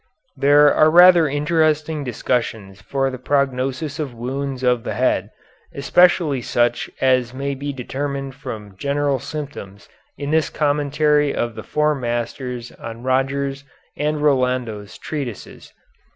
There are rather interesting discussions of the prognosis of wounds of the head, especially such as may be determined from general symptoms in this commentary of the Four Masters on Roger's and Rolando's treatises.